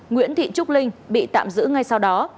nguyễn thị trúc linh bị tạm giữ ngay sau đó